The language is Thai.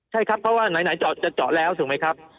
ใช่ครับเพราะว่าไหนเจาะจะเจาะแล้วถูกไหมครับ